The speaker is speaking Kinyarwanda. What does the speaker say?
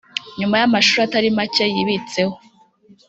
nyuma y’amashuri atari make yibitseho